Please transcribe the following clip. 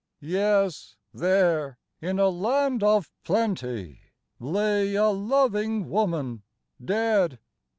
" Yes, there, in a land of plenty. Lay a loving woman dead.